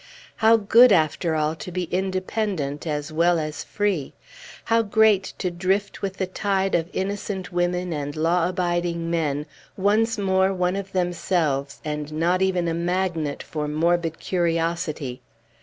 How good, after all, to be independent as well as free! How great to drift with the tide of innocent women and law abiding men, once more one of themselves, and not even a magnet for morbid curiosity!